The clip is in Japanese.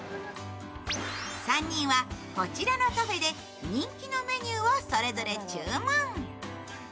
３人はこちらのカフェで人気のメニューをそれぞれ注文。